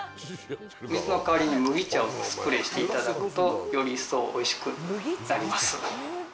水の代わりに麦茶をスプレーしていただくと、より一層おいしくなります。